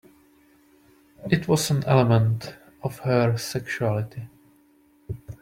It was an element of her sexuality.